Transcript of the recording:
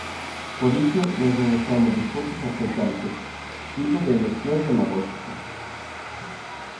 Por iso, nós non estamos dispostos a aceptar este tipo de leccións demagóxicas.